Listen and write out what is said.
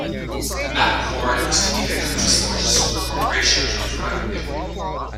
Napocor used to be the country's largest corporation in terms of revenue.